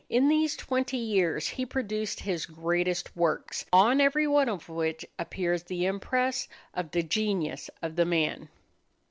In these twenty years he produced his greatest works, on every one of which appears the impress of the genius of the man.